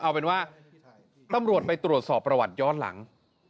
เอาเป็นว่าตำรวจไปตรวจสอบประวัติย้อนหลัง